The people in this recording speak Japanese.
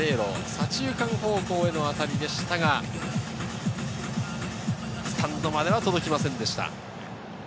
左中間方向への当たりでしたが、スタンドまでは届きませんでした。